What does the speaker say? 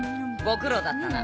ご苦労だったな。